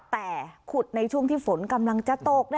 แต่ขุดในช่วงที่ฝนกำลังจะตก